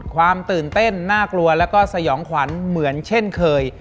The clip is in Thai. ความตื่นเต้นน่ากลัวแล้วก็สยองขวัญเหมือนเช่นเคย